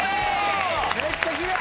めっちゃきれい！